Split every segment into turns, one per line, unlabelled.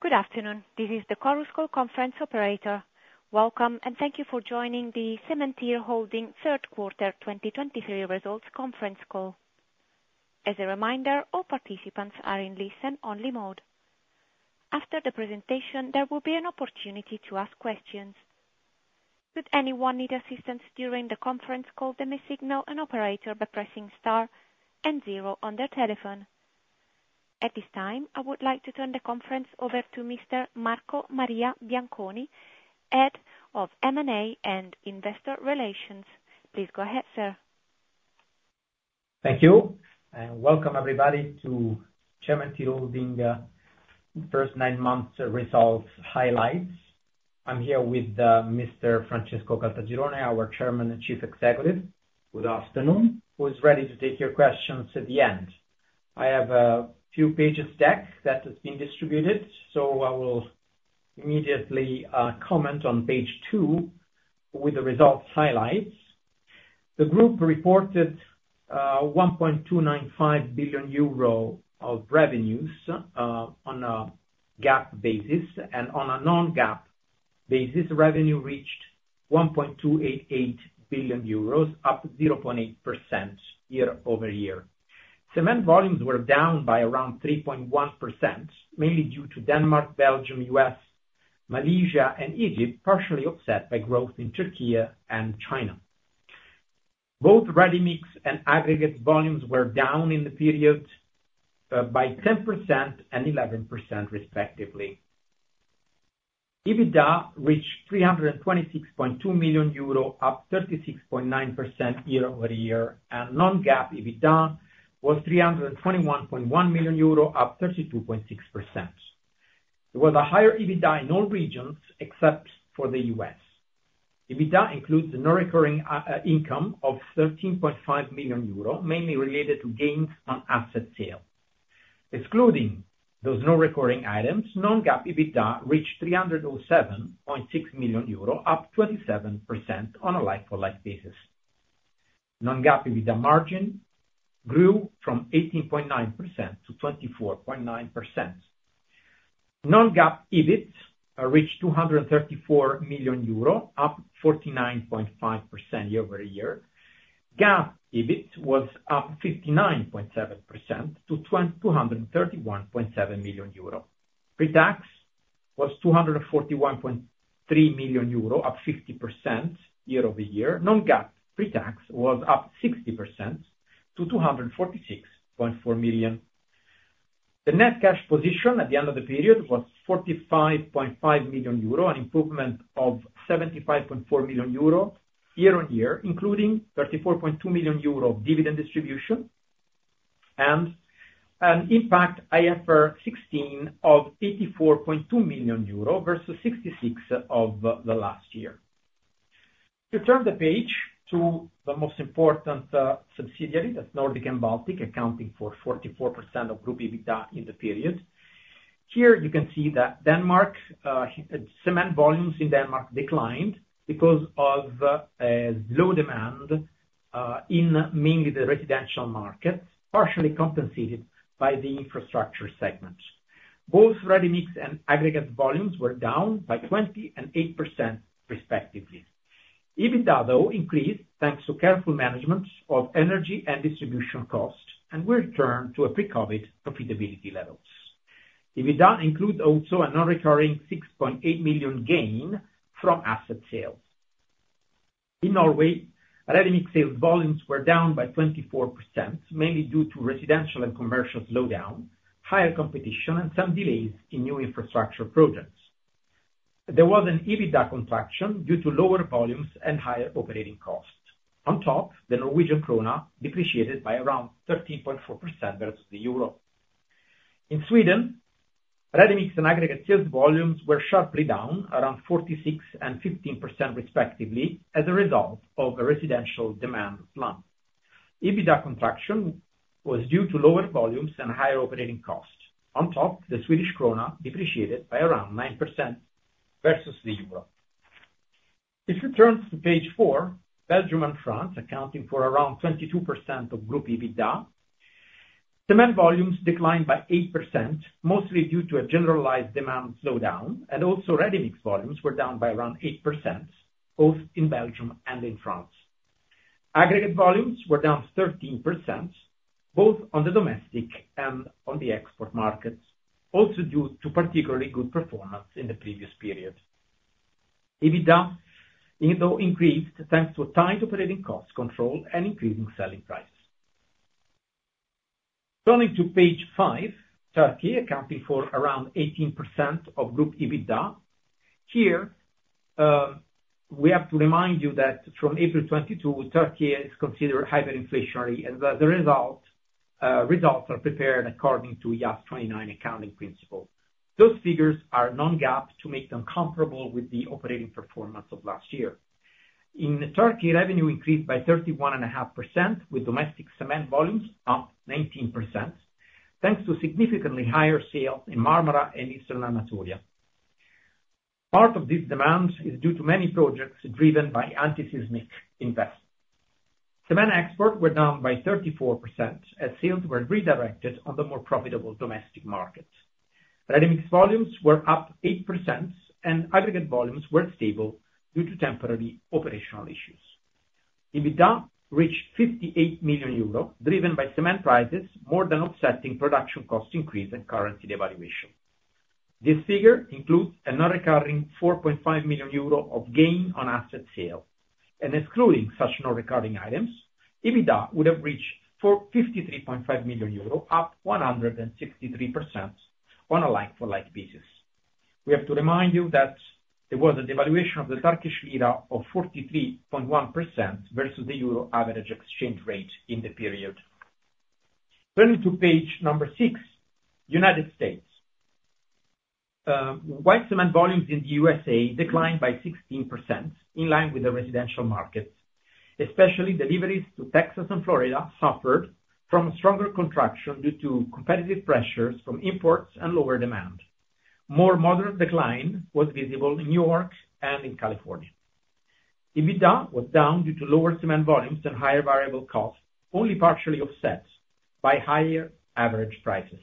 Good afternoon, this is the Chorus Call Conference Operator. Welcome, and thank you for joining the Cementir Holding third quarter 2023 results conference call. As a reminder, all participants are in listen-only mode. After the presentation, there will be an opportunity to ask questions. Should anyone need assistance during the conference call, then they signal an operator by pressing star and zero on their telephone. At this time, I would like to turn the conference over to Mr. Marco Maria Bianconi, Head of M&A and Investor Relations. Please go ahead, sir.
Thank you, and welcome everybody to Cementir Holding first nine months results highlights. I'm here with Mr. Francesco Caltagirone, our Chairman and Chief Executive. Good afternoon, who is ready to take your questions at the end. I have a few pages deck that has been distributed, so I will immediately comment on page two with the results highlights. The group reported 1.295 billion euro of revenues on a GAAP basis, and on a non-GAAP basis, revenue reached 1.288 billion euros, up 0.8% year-over-year. Cement volumes were down by around 3.1%, mainly due to Denmark, Belgium, U.S., Malaysia and Egypt, partially offset by growth in Turkey and China. Both ready-mix and aggregate volumes were down in the period by 10% and 11% respectively. EBITDA reached 326.2 million euro, up 36.9% year-over-year, and non-GAAP EBITDA was 321.1 million euro, up 32.6%. There was a higher EBITDA in all regions except for the U.S. EBITDA includes a non-recurring income of 13.5 million euro, mainly related to gains on asset sale. Excluding those non-recurring items, non-GAAP EBITDA reached 307.6 million euro, up 27% on a like-for-like basis. Non-GAAP EBITDA margin grew from 18.9%-24.9%. Non-GAAP EBIT reached 234 million euro, up 49.5% year-over-year. GAAP EBIT was up 59.7% to 231.7 million euro. Pre-tax was 241.3 million euro, up 50% year-over-year. Non-GAAP pre-tax was up 60% to 246.4 million. The net cash position at the end of the period was 45.5 million euro, an improvement of 75.4 million euro year-on-year, including 34.2 million euro of dividend distribution, and an impact IFRS 16 of 84.2 million euro versus 66 of the last year. To turn the page to the most important, subsidiary, that's Nordic and Baltic, accounting for 44% of group EBITDA in the period. Here, you can see that Denmark, cement volumes in Denmark declined because of, low demand, in mainly the residential market, partially compensated by the infrastructure segment. Both ready-mix and aggregate volumes were down by 20% and 8% respectively. EBITDA, though, increased, thanks to careful management of energy and distribution costs, and we return to a pre-COVID profitability levels. EBITDA includes also a non-recurring 6.8 million gain from asset sales. In Norway, ready-mix sales volumes were down by 24%, mainly due to residential and commercial slowdown, higher competition, and some delays in new infrastructure projects. There was an EBITDA contraction due to lower volumes and higher operating costs. On top, the Norwegian krone depreciated by around 13.4% versus the euro. In Sweden, ready-mix and aggregate sales volumes were sharply down, around 46% and 15% respectively, as a result of a residential demand slump. EBITDA contraction was due to lower volumes and higher operating costs. On top, the Swedish krona depreciated by around 9% versus the euro. If you turn to page four, Belgium and France, accounting for around 22% of group EBITDA. Cement volumes declined by 8%, mostly due to a generalized demand slowdown, and also ready-mix volumes were down by around 8%, both in Belgium and in France. Aggregate volumes were down 13%, both on the domestic and on the export markets, also due to particularly good performance in the previous period. EBITDA, even though increased, thanks to tight operating cost control and increasing selling prices. Turning to page five, Turkey, accounting for around 18% of group EBITDA. Here, we have to remind you that from April 2022, Turkey is considered hyperinflationary, and the results are prepared according to IAS 29 accounting principle. Those figures are non-GAAP to make them comparable with the operating performance of last year. In Turkey, revenue increased by 31.5%, with domestic cement volumes up 19%, thanks to significantly higher sales in Marmara and Eastern Anatolia. Part of this demand is due to many projects driven by anti-seismic investment. Cement exports were down by 34%, as sales were redirected on the more profitable domestic market. Ready-mix volumes were up 8%, and aggregate volumes were stable due to temporary operational issues. EBITDA reached 58 million euros, driven by cement prices, more than offsetting production cost increase and currency devaluation. This figure includes a non-recurring 4.5 million euro of gain on asset sale, and excluding such non-recurring items, EBITDA would have reached 53.5 million euro, up 163% on a like-for-like basis. We have to remind you that there was a devaluation of the Turkish lira of 43.1% versus the euro average exchange rate in the period. Turning to page six, United States. White cement volumes in the USA declined by 16%, in line with the residential market, especially deliveries to Texas and Florida suffered from stronger contraction due to competitive pressures from imports and lower demand. More moderate decline was visible in New York and in California. EBITDA was down due to lower cement volumes and higher variable costs, only partially offset by higher average prices.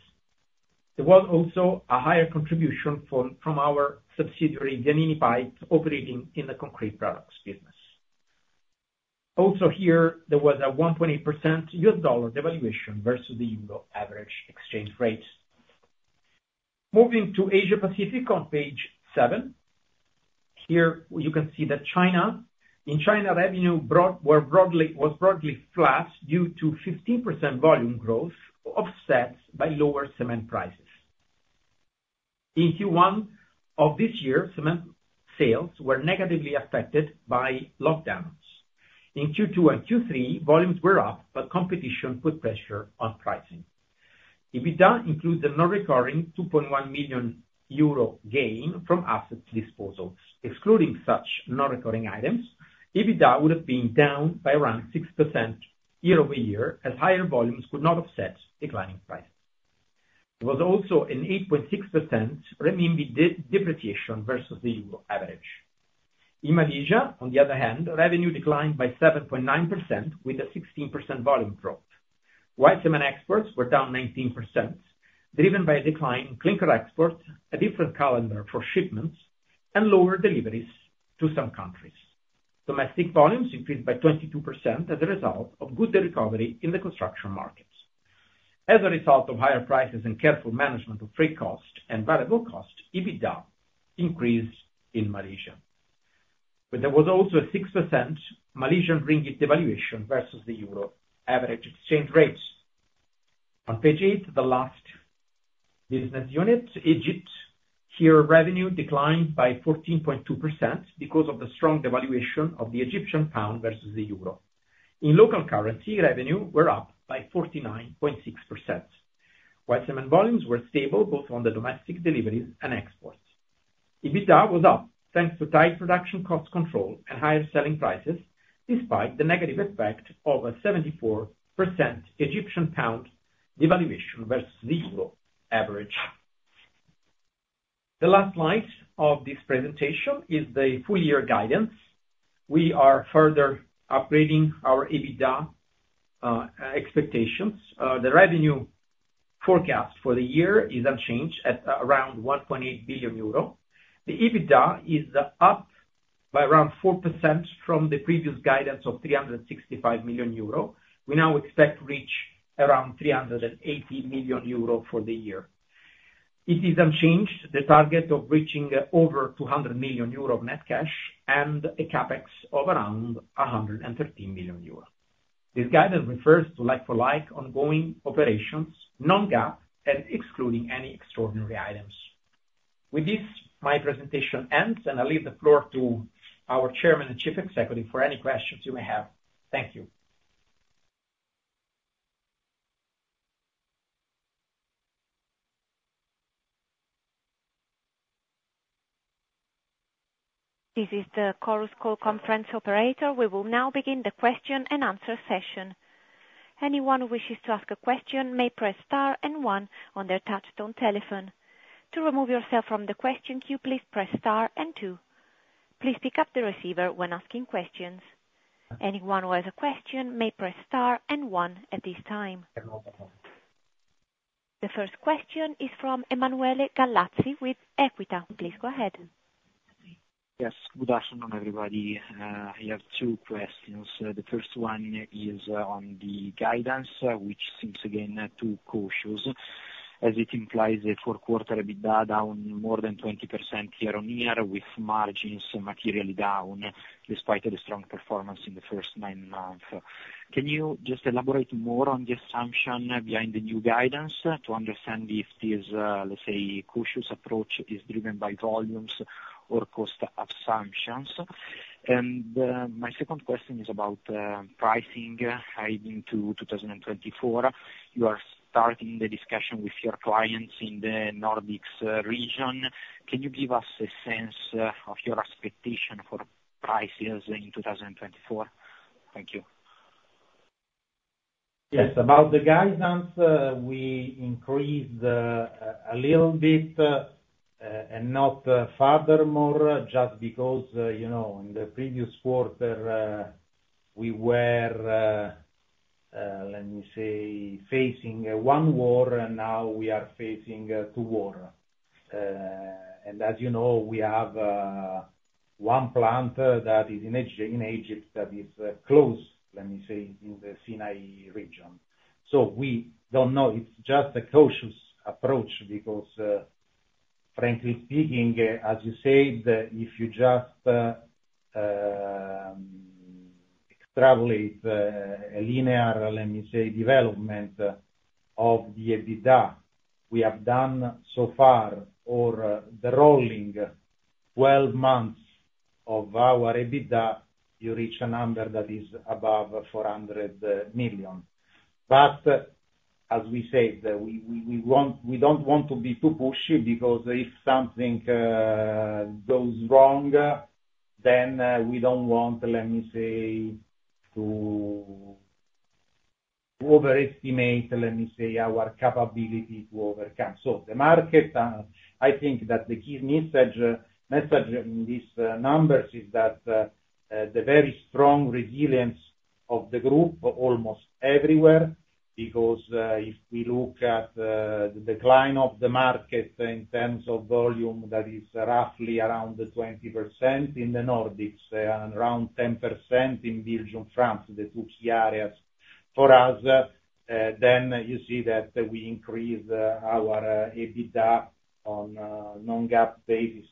There was also a higher contribution from our subsidiary, Vianini Pipe, operating in the concrete products business. Also here, there was a 1.8% US dollar devaluation versus the euro average exchange rate. Moving to Asia Pacific on page seven. Here, you can see that China—In China, revenue was broadly flat, due to 15% volume growth, offset by lower cement prices. In Q1 of this year, cement sales were negatively affected by lockdowns. In Q2 and Q3, volumes were up, but competition put pressure on pricing. EBITDA includes a non-recurring 2.1 million euro gain from asset disposals. Excluding such non-recurring items, EBITDA would have been down by around 6% year-over-year, as higher volumes could not offset declining prices. There was also an 8.6% renminbi depreciation versus the euro average. In Malaysia, on the other hand, revenue declined by 7.9% with a 16% volume drop. White cement exports were down 19%, driven by a decline in clinker exports, a different calendar for shipments, and lower deliveries to some countries. Domestic volumes increased by 22% as a result of good recovery in the construction markets. As a result of higher prices and careful management of freight cost and variable cost, EBITDA increased in Malaysia. But there was also a 6% Malaysian ringgit devaluation versus the euro average exchange rates. On page eight, the last business unit, Egypt. Here, revenue declined by 14.2% because of the strong devaluation of the Egyptian pound versus the euro. In local currency, revenue were up by 49.6%, while cement volumes were stable both on the domestic deliveries and exports. EBITDA was up, thanks to tight production cost control and higher selling prices, despite the negative effect of a 74% Egyptian pound devaluation versus the euro average. The last slide of this presentation is the full year guidance. We are further upgrading our EBITDA expectations. The revenue forecast for the year is unchanged at around 1.8 billion euro. The EBITDA is up by around 4% from the previous guidance of 365 million euro. We now expect to reach around 380 million euro for the year. It is unchanged, the target of reaching over 200 million euro of net cash and a CapEx of around 113 million euro. This guidance refers to like-for-like ongoing operations, non-GAAP, and excluding any extraordinary items. With this, my presentation ends, and I leave the floor to our Chairman and Chief Executive for any questions you may have. Thank you.
This is the Chorus Call Conference Operator. We will now begin the question and answer session. Anyone who wishes to ask a question may press star and one on their touchtone telephone. To remove yourself from the question queue, please press star and two. Please pick up the receiver when asking questions. Anyone who has a question may press star and one at this time. The first question is from Emanuele Gallazzi with Equita. Please go ahead.
Yes, good afternoon, everybody. I have two questions. The first one is on the guidance, which seems, again, too cautious, as it implies a fourth quarter EBITDA down more than 20% year-on-year, with margins materially down, despite the strong performance in the first nine months. Can you just elaborate more on the assumption behind the new guidance to understand if this, let's say, cautious approach is driven by volumes or cost assumptions? My second question is about pricing heading into 2024. You are starting the discussion with your clients in the Nordics region. Can you give us a sense of your expectation for prices in 2024? Thank you.
Yes, about the guidance, we increased a little bit, and not furthermore, just because, you know, in the previous quarter, we were, let me say, facing one war, and now we are facing two war. And as you know, we have one plant that is in Eg- in Egypt that is closed, let me say, in the Sinai region. So we don't know, it's just a cautious approach because, frankly speaking, as you said, if you just extrapolate a linear, let me say, development of the EBITDA, we have done so far, or the rolling twelve months of our EBITDA, you reach a number that is above 400 million. But as we said, we want, we don't want to be too pushy, because if something goes wrong, then we don't want, let me say, to overestimate, let me say, our capability to overcome. So the market, I think that the key message in these numbers is that the very strong resilience of the group almost everywhere, because if we look at the decline of the market in terms of volume, that is roughly around 20% in the Nordics, and around 10% in Belgium, France, the two key areas for us, then you see that we increase our EBITDA on non-GAAP basis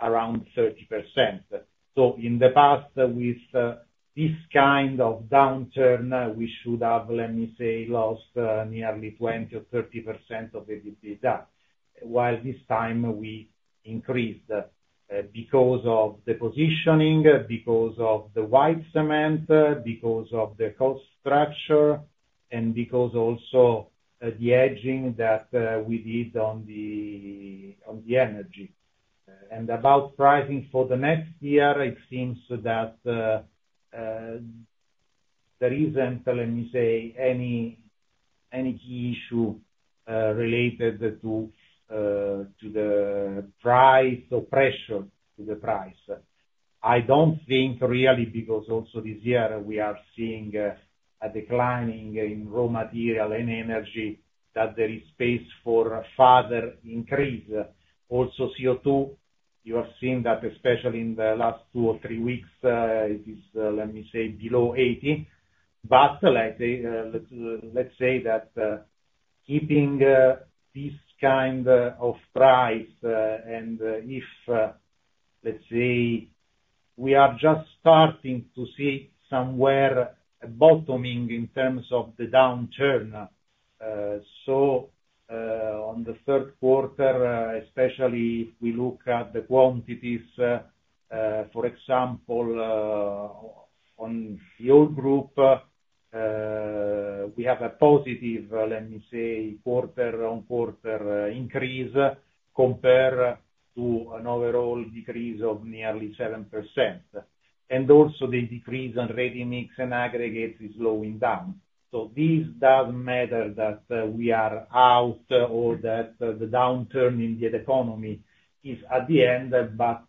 around 30%. In the past, with this kind of downturn, we should have, let me say, lost nearly 20%-30% of EBITDA, while this time we increased because of the positioning, because of the white cement, because of the cost structure, and because also the hedging that we did on the energy. And about pricing for the next year, it seems that there isn't, let me say, any key issue related to the price or pressure to the price. I don't think really, because also this year we are seeing a declining in raw material and energy, that there is space for a further increase. Also CO2, you have seen that, especially in the last two or three weeks, it is, let me say, below 80. But let's say that, keeping this kind of price and, if let's say, we are just starting to see somewhere a bottoming in terms of the downturn. So, on the third quarter, especially if we look at the quantities, for example, on your group, we have a positive, let me say, quarter-on-quarter increase, compared to an overall decrease of nearly 7%. And also the decrease on ready-mix and aggregate is slowing down. So this doesn't matter that we are out or that the downturn in the economy is at the end, but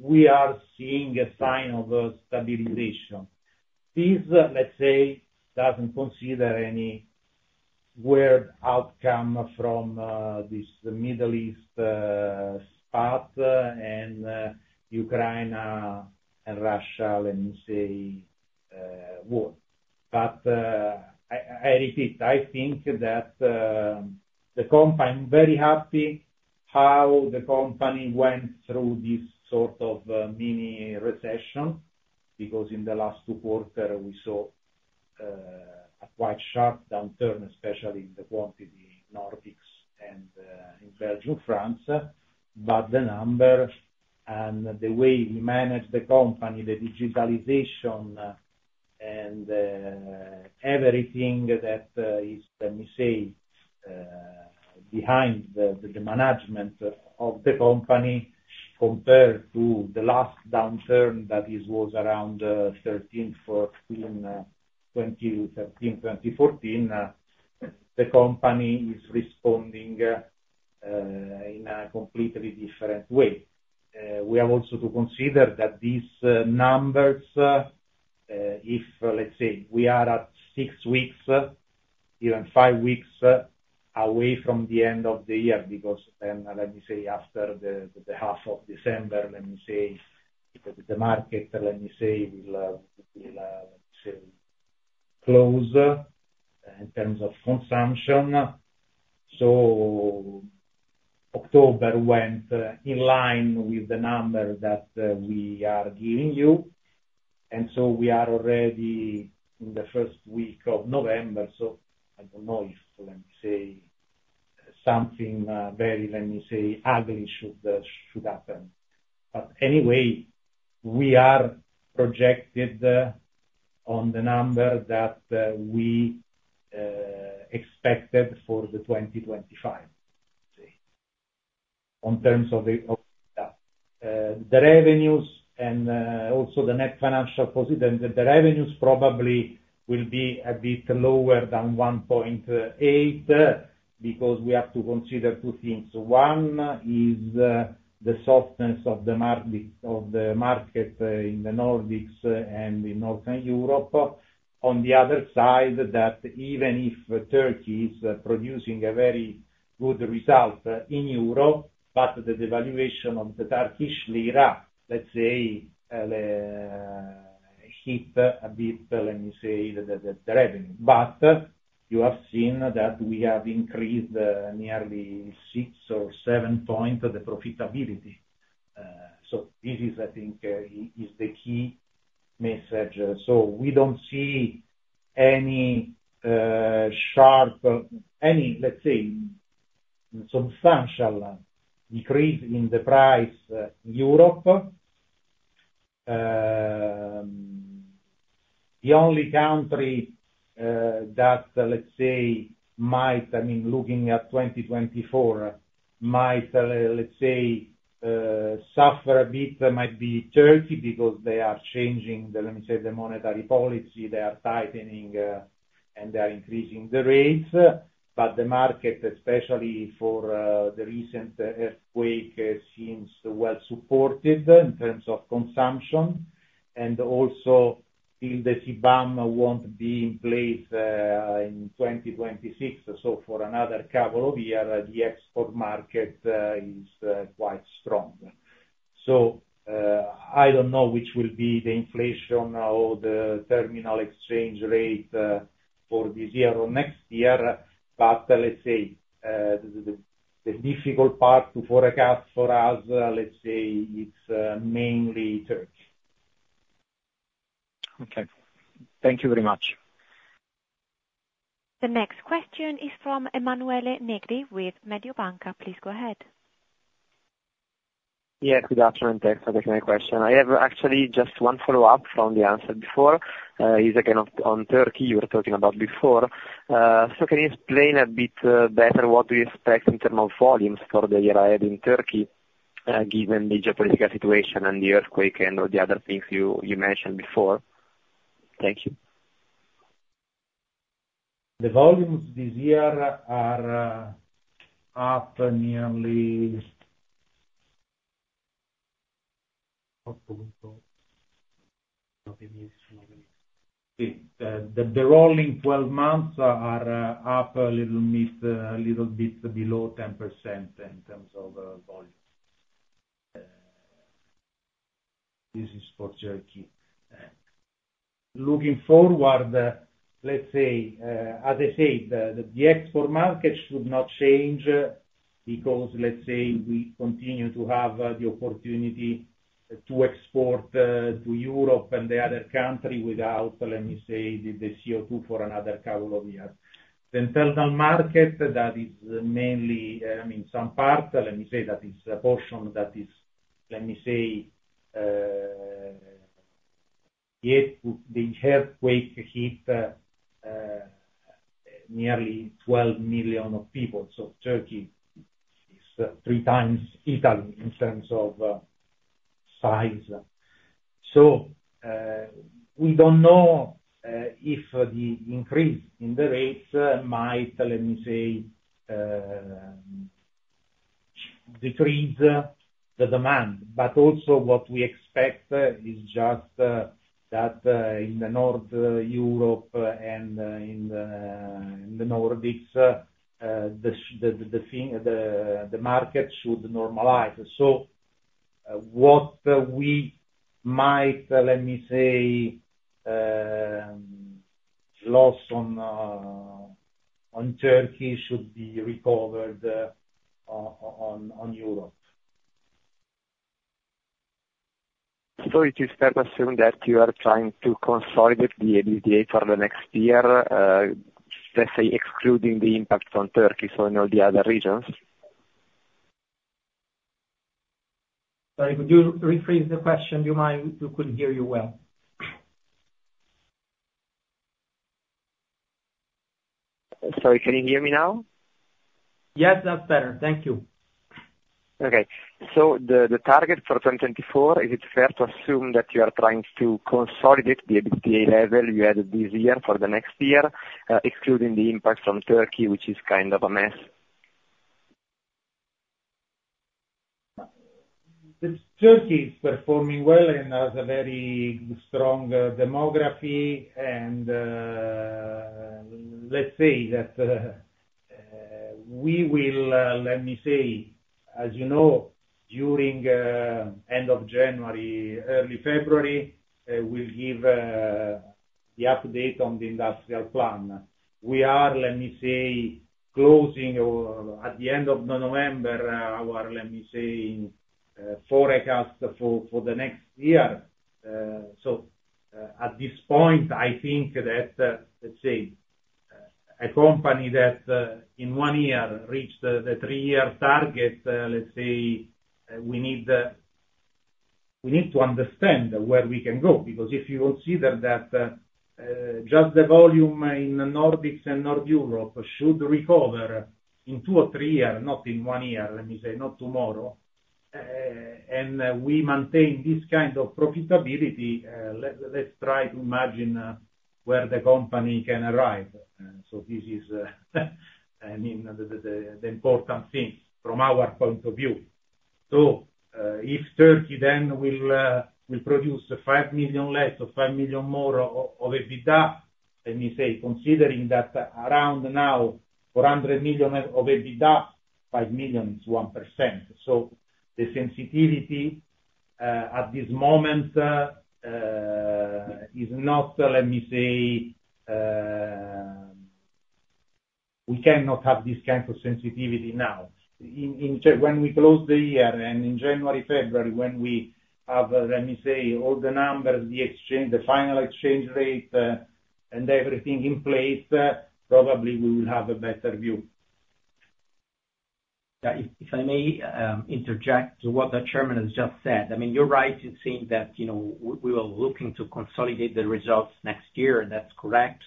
we are seeing a sign of stabilization. This, let's say, doesn't consider any weird outcome from this Middle East spot and Ukraine and Russia, let me say, war. But I repeat, I think that the company... I'm very happy how the company went through this sort of mini recession, because in the last two quarter, we saw a quite sharp downturn, especially in the quantity, Nordics and in Belgium, France. But the number and the way we manage the company, the digitalization and everything that is, let me say, behind the management of the company, compared to the last downturn, that is, was around 2013, 2014, 2013, 2014, the company is responding in a completely different way. We have also to consider that these numbers, if, let's say, we are at six weeks, even five weeks, away from the end of the year, because then, let me say, after the half of December, let me say, the market, let me say, will say close in terms of consumption. So October went in line with the number that we are giving you, and so we are already in the first week of November, so I don't know if, let me say, something very, let me say, ugly should happen. But anyway, we are projected on the number that we expected for 2025. On terms of the revenues and also the net financial position, the revenues probably will be a bit lower than 1.8, because we have to consider two things: one is the softness of the market in the Nordics and in Northern Europe. On the other side, even if Turkey is producing a very good result in euros, the devaluation of the Turkish lira, let's say, hit a bit, let me say, the revenue. But you have seen that we have increased nearly 6 or 7 points of the profitability. So this is, I think, the key message. So we don't see any sharp, any, let's say, substantial decrease in the price in Europe. The only country that, let's say, might... I mean, looking at 2024, might, let's say, suffer a bit, might be Turkey because they are changing the, let me say, the monetary policy, they are tightening, and they are increasing the rates. But the market, especially for the recent earthquake, seems well supported in terms of consumption, and also the CBAM won't be in place in 2026. So for another couple of year, the export market is quite strong. So, I don't know which will be the inflation or the terminal exchange rate for this year or next year, but let's say, the difficult part to forecast for us, let's say, it's mainly Turkey.
Okay. Thank you very much.
The next question is from Emanuele Negri with Mediobanca. Please go ahead.
Yeah, good afternoon, thanks for taking my question. I have actually just one follow-up from the answer before. Is again on Turkey, you were talking about before. So can you explain a bit better what we expect in terms of volumes for the year ahead in Turkey, given the geopolitical situation and the earthquake and all the other things you mentioned before? Thank you.
The volumes this year are up nearly. See, the rolling twelve months are up a little bit, a little bit below 10% in terms of volume. This is for Turkey. Looking forward, let's say, as I said, the export market should not change because, let's say, we continue to have the opportunity to export to Europe and the other country without, let me say, the CO2 for another couple of years. The internal market, that is mainly, I mean, some part, let me say that is a portion that is, let me say, hit, the earthquake hit nearly 12 million of people. So Turkey is three times Italy in terms of size. So, we don't know if the increase in the rates might, let me say, decrease the demand, but also what we expect is just that in the North Europe and in the Nordics, the market should normalize. So, what we might, let me say, loss on Turkey should be recovered on Europe.
So it is fair to assume that you are trying to consolidate the EBITDA for the next year, let's say, excluding the impact from Turkey, so in all the other regions?
Sorry, could you rephrase the question, do you mind? We couldn't hear you well.
Sorry, can you hear me now?
Yes, that's better. Thank you.
Okay, so the target for 2024, is it fair to assume that you are trying to consolidate the EBITDA level you had this year for the next year, excluding the impact from Turkey, which is kind of a mess?
Turkey is performing well and has a very strong demography, and let's say that we will let me say, as you know, during end of January, early February, we'll give the update on the industrial plan. We are let me say, closing or at the end of the November our let me say forecast for the next year. So at this point, I think that let's say a company that in one year reached the three-year target let's say we need... We need to understand where we can go, because if you consider that, just the volume in Nordics and North Europe should recover in two or three years, not in 1 year, let me say, not tomorrow, and, we maintain this kind of profitability, let’s try to imagine, where the company can arrive. And so this is I mean, the important thing from our point of view. So, if Turkey then will produce 5 million less or 5 million more of EBITDA, let me say, considering that around now 400 million of EBITDA, 5 million is 1%. So the sensitivity, at this moment, is not, let me say, we cannot have this kind of sensitivity now. In Turkey, when we close the year and in January, February, when we have, let me say, all the numbers, the exchange, the final exchange rate, and everything in place, probably we will have a better view.
Yeah, if I may interject to what the chairman has just said. I mean, you're right in saying that, you know, we were looking to consolidate the results next year, and that's correct.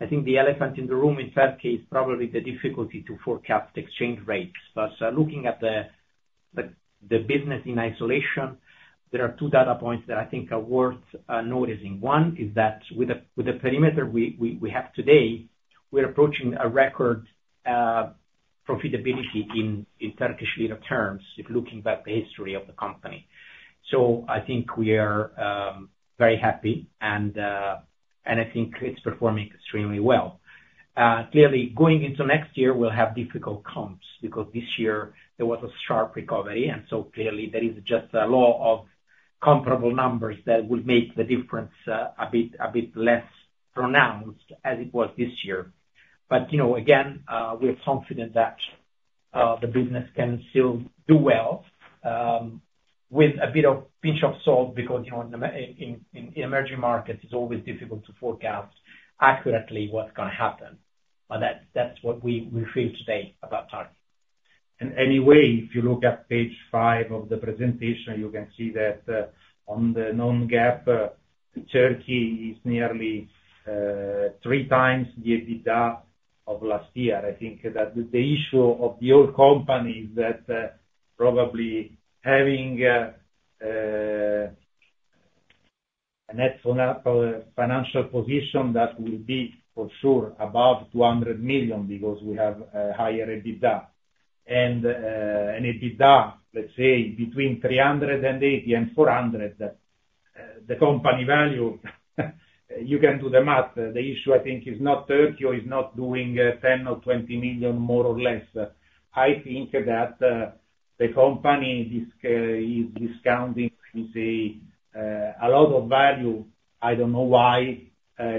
I think the elephant in the room, in that case, probably the difficulty to forecast exchange rates. But looking at the business in isolation, there are two data points that I think are worth noticing. One is that with the perimeter we have today, we're approaching a record profitability in Turkish lira terms, if looking back the history of the company. So I think we are very happy, and I think it's performing extremely well. Clearly, going into next year, we'll have difficult comps, because this year there was a sharp recovery, and so clearly there is just a law of comparable numbers that will make the difference a bit less pronounced as it was this year. But, you know, again, we are confident that the business can still do well, with a bit of pinch of salt, because, you know, in the emerging markets, it's always difficult to forecast accurately what's gonna happen. But that's what we feel today about Turkey.
And anyway, if you look at page five of the presentation, you can see that, on the non-GAAP, Turkey is nearly 3x the EBITDA of last year. I think that the issue of the old company that, probably having, a net financial position, that will be, for sure, above 200 million, because we have a higher EBITDA. And, an EBITDA, let's say, between 380 million and 400 million, the company value, you can do the math. The issue, I think, is not Turkey, or is not doing, 10 or 20 million, more or less. I think that, the company is discounting, let me say, a lot of value, I don't know why,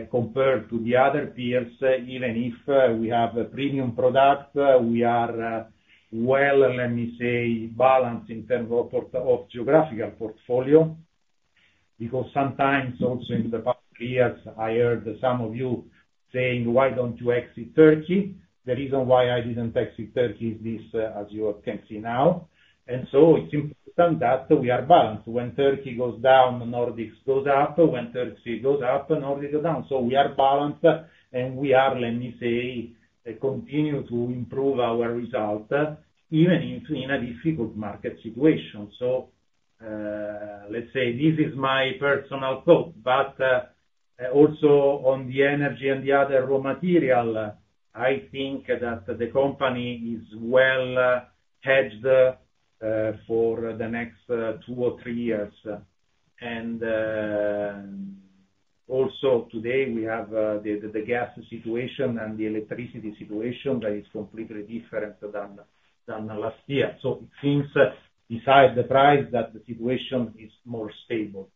compared to the other peers, even if, we have a premium product, we are, well, let me say, balanced in terms of geographical portfolio. Because sometimes, also in the past years, I heard some of you saying: "Why don't you exit Turkey?" The reason why I didn't exit Turkey is this, as you all can see now. And so it's important that we are balanced. When Turkey goes down, Nordics goes up. When Turkey goes up, Nordics go down. So we are balanced, and we are, let me say, continue to improve our result, even in a difficult market situation. So, let's say this is my personal thought. But, also on the energy and the other raw material, I think that the company is well hedged for the next two or three years. And, also, today, we have the gas situation and the electricity situation that is completely different than last year. So it seems, besides the price, that the situation is more stable.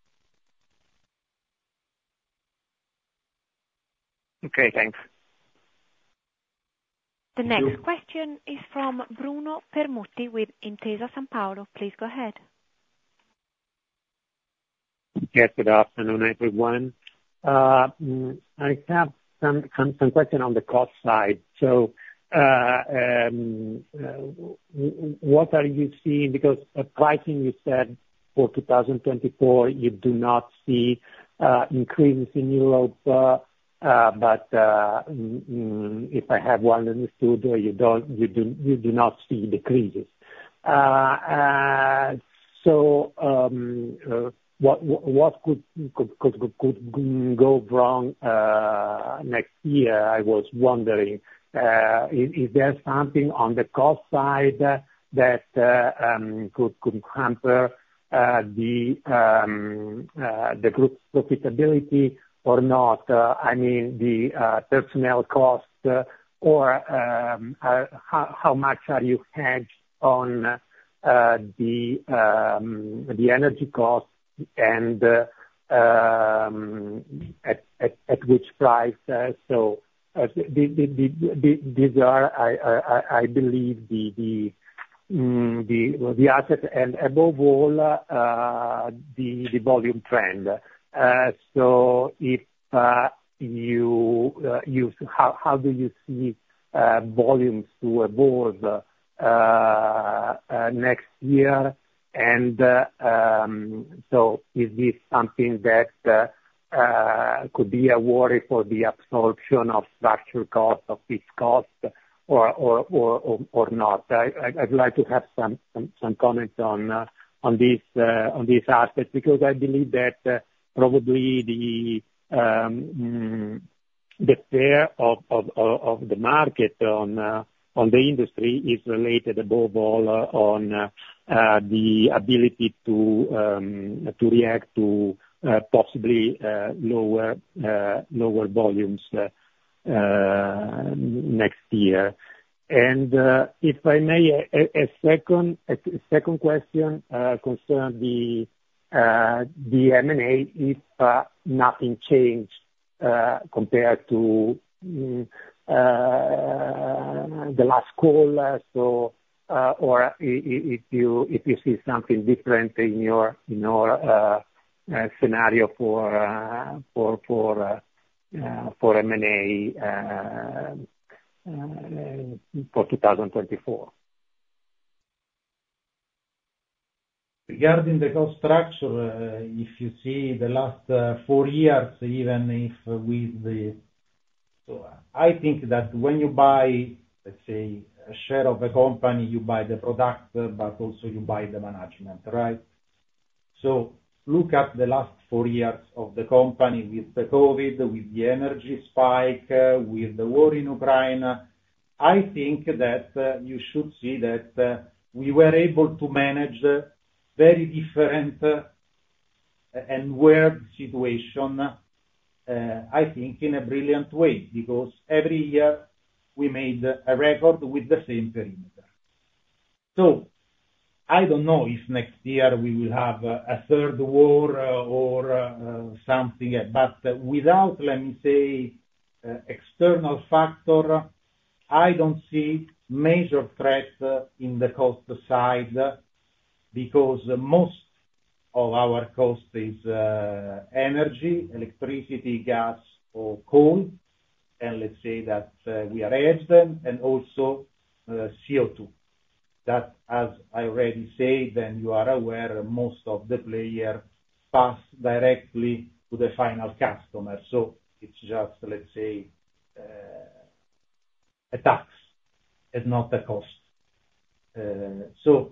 Okay, thanks.
The next question is from Bruno Permutti with Intesa Sanpaolo. Please go ahead.
Yes, good afternoon, everyone. I have some question on the cost side. So, what are you seeing? Because at pricing, you said for 2024, you do not see increase in Europe, but if I have well understood, you don't, you do not see decreases. So, what could go wrong next year, I was wondering? Is there something on the cost side that could hamper the group's profitability or not? I mean, the personnel costs, or how much are you hedged on the energy costs and at which price?
So, these are, I believe, the asset and above all, the volume trend. So, how do you see volumes move abroad next year, and so is this something that could be a worry for the absorption of structural cost, of this cost, or not? I'd like to have some comments on this aspect, because I believe that probably the fear of the market on the industry is related above all on the ability to react to possibly lower volumes next year. If I may, a second question concerning the M&A, if nothing changed compared to the last call, so or if you see something different in your scenario for M&A for 2024.
Regarding the cost structure, if you see the last four years, even if with the... So I think that when you buy, let's say, a share of a company, you buy the product, but also you buy the management, right? So look at the last four years of the company with the COVID, with the energy spike, with the war in Ukraine. I think that you should see that we were able to manage very different and weird situation, I think in a brilliant way. Because every year, we made a record with the same perimeter. So I don't know if next year we will have a third war or something else. But without, let me say, external factor, I don't see major threat in the cost side, because most of our cost is energy, electricity, gas, or coal, and let's say that we are hedged, and also CO2. That, as I already said, then you are aware, most of the player pass directly to the final customer, so it's just, let me say, a tax and not a cost. So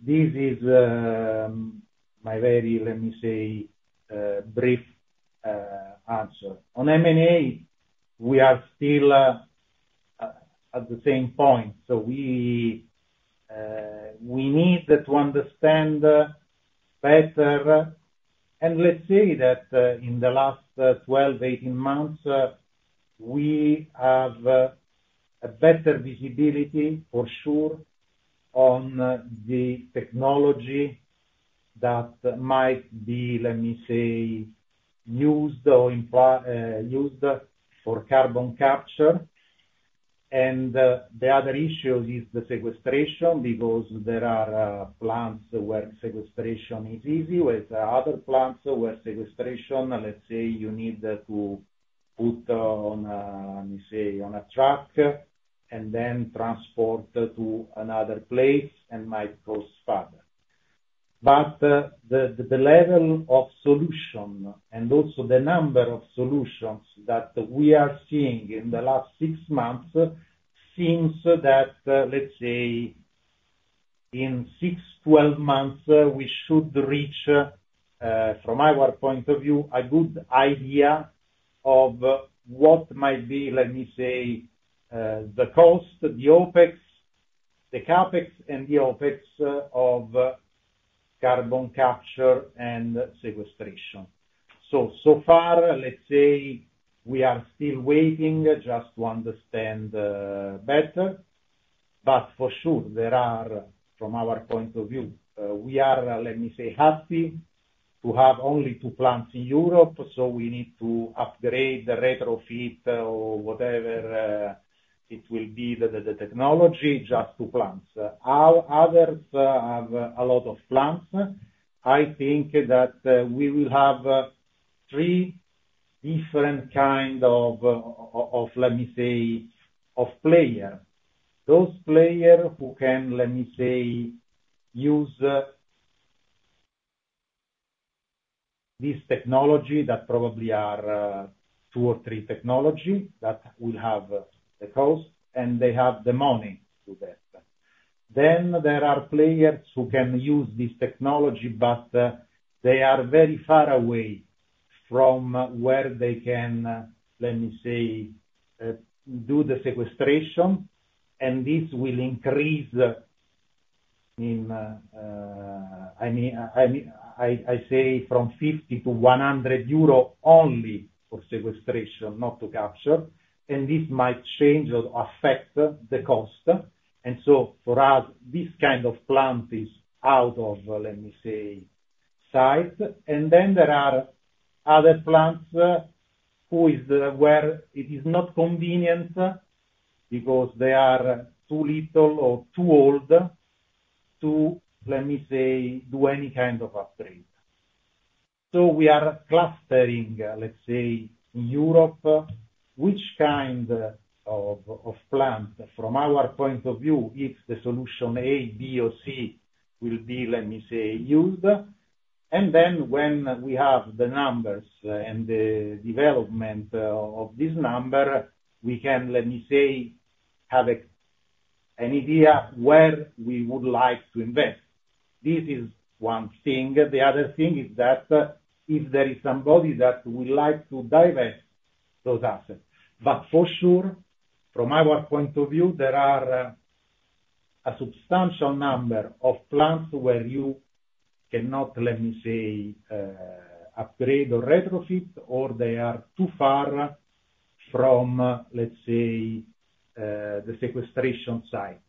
this is my very, let me say, brief answer. On M&A, we are still at the same point. So we need to understand better, and let's say that in the last 12-18 months, we have a better visibility, for sure, on the technology that might be, let me say, used for carbon capture. And, the other issue is the sequestration, because there are plants where sequestration is easy, with other plants where sequestration, let's say you need to put on, let me say, on a truck, and then transport to another place, and might cost further. But, the level of solution, and also the number of solutions that we are seeing in the last six months, seems that, let's say, in six, 12 months, we should reach, from our point of view, a good idea of what might be, let me say, the cost, the OpEx, the CapEx, and the OpEx of carbon capture and sequestration. So, so far, let's say we are still waiting just to understand better, but for sure there are, from our point of view, we are, let me say, happy to have only two plants in Europe, so we need to upgrade, retrofit or whatever it will be the technology, just two plants. Our others have a lot of plants. I think that we will have three different kind of player. Those player who can, let me say, use this technology, that probably are two or three technology, that will have the cost, and they have the money to do that. Then there are players who can use this technology, but, they are very far away from where they can, let me say, do the sequestration, and this will increase in, I mean, I say from 50-100 euro only for sequestration, not to capture, and this might change or affect the cost. And so for us, this kind of plant is out of, let me say, sight. And then there are other plants, who is where it is not convenient, because they are too little or too old to, let me say, do any kind of upgrade. So we are clustering, let's say, in Europe, which kind of, of plant, from our point of view, if the solution A, B, or C will be, let me say, used. And then when we have the numbers and the development of this number, we can, let me say, have a, an idea where we would like to invest. This is one thing. The other thing is that, if there is somebody that would like to divest those assets. But for sure, from our point of view, there are a substantial number of plants where you cannot, let me say, upgrade or retrofit, or they are too far from, let's say, the sequestration site.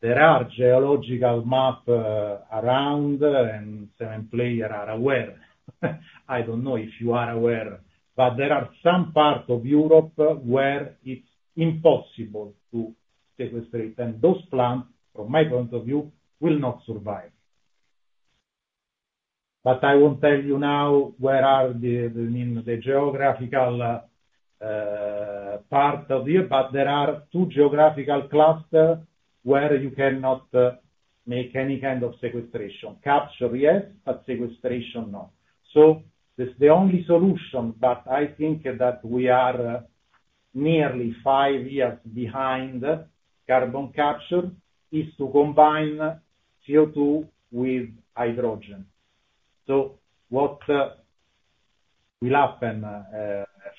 There are geological map around, and certain player are aware. I don't know if you are aware, but there are some parts of Europe where it's impossible to sequestrate, and those plants, from my point of view, will not survive. But I will tell you now, where are the, I mean, the geographical part of here, but there are two geographical clusters where you cannot make any kind of sequestration. Capture, yes, but sequestration, no. So the only solution that I think that we are nearly five years behind carbon capture is to combine CO2 with hydrogen. So what will happen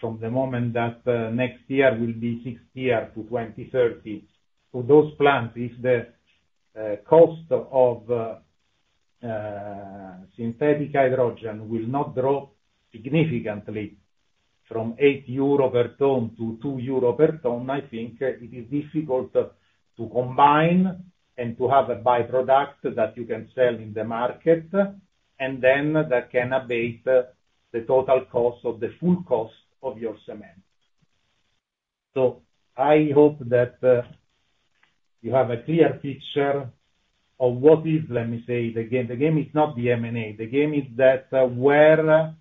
from the moment that next year will be sixth year to 2030, for those plants, is the cost of synthetic hydrogen will not drop significantly from 8 euro per ton-2 EUR per ton. I think it is difficult to combine, and to have a by-product that you can sell in the market, and then that can abate the total cost of the full cost of your cement. So I hope that you have a clear picture of what is, let me say, the game. The game is not the M&A. The game is that where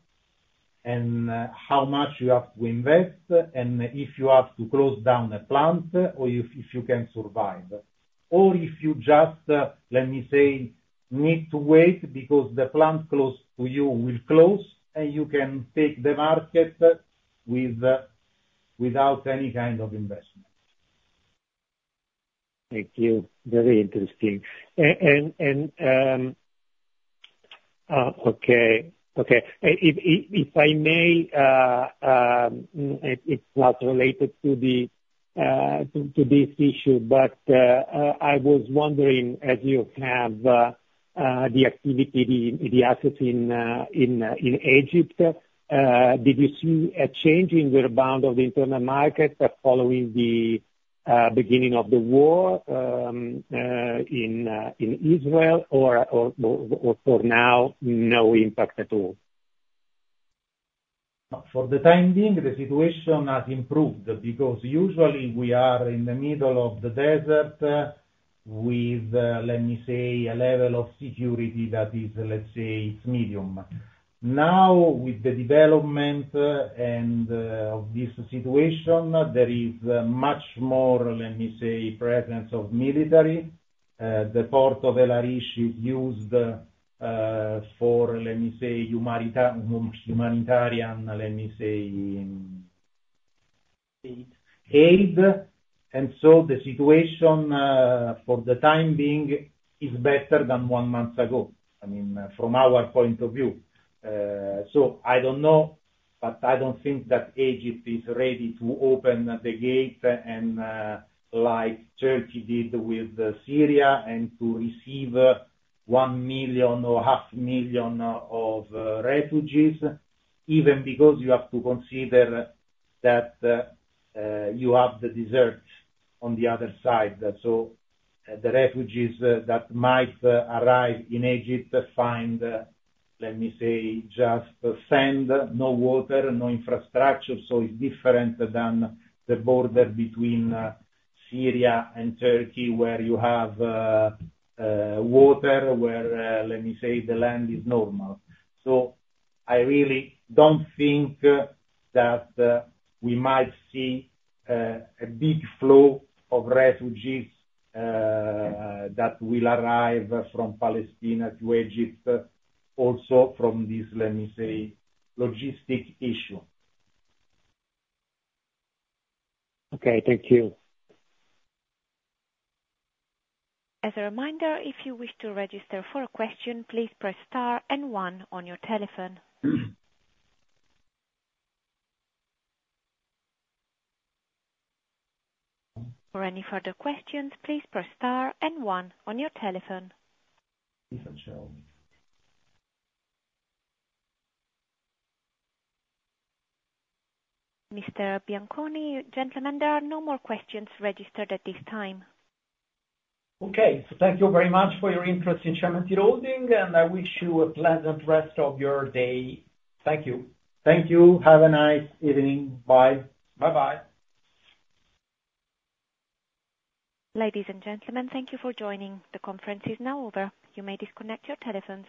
and how much you have to invest, and if you have to close down a plant, or if you can survive. Or if you just, let me say, need to wait because the plant close to you will close, and you can take the market with, without any kind of investment.
Thank you. Very interesting. Okay, okay. If I may, it's not related to this issue, but I was wondering, as you have the activity, the assets in Egypt, did you see a change in the rebound of the internal market following the beginning of the war in Israel, or for now, no impact at all?
For the time being, the situation has improved, because usually we are in the middle of the desert with, let me say, a level of security that is, let's say, it's medium. Now, with the development and of this situation, there is much more, let me say, presence of military. The port of El Arish is used for, let me say, humanitarian aid. So the situation, for the time being, is better than one month ago, I mean, from our point of view. So I don't know, but I don't think that Egypt is ready to open the gate and, like Turkey did with Syria, and to receive 1 million or 500,000 refugees, even because you have to consider that you have the desert on the other side. So the refugees that might arrive in Egypt find, let me say, just sand, no water, no infrastructure, so it's different than the border between Syria and Turkey, where you have water, where let me say, the land is normal. So I really don't think that we might see a big flow of refugees that will arrive from Palestine to Egypt, also from this, let me say, logistic issue.
Okay, thank you.
As a reminder, if you wish to register for a question, please press star and one on your telephone. For any further questions, please press star and one on your telephone. Mr. Bianconi, gentlemen, there are no more questions registered at this time.
Okay. Thank you very much for your interest in Cementir Holding, and I wish you a pleasant rest of your day. Thank you.
Thank you. Have a nice evening. Bye.
Bye-bye.
Ladies and gentlemen, thank you for joining. The conference is now over. You may disconnect your telephones.